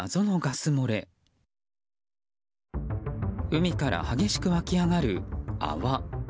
海から激しく湧き上がる泡。